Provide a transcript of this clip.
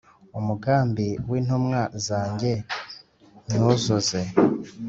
umugambi w’intumwa zanjye nywuzuze.